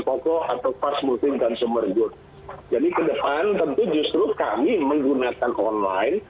pokok atau fast moving consumer goods jadi kedepan tentu justru kami menggunakan online